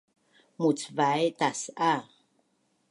mucvai tas’a